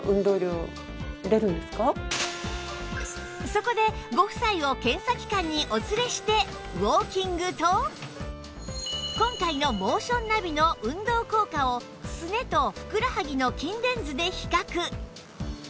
そこでご夫妻を検査機関にお連れしてウォーキングと今回のモーションナビの運動効果をすねとふくらはぎの筋電図で比較